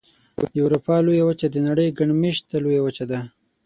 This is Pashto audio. د اروپا لویه وچه د نړۍ ګڼ مېشته لویه وچه ده.